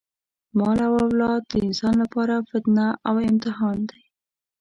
مال او اولاد د انسان لپاره فتنه او امتحان دی.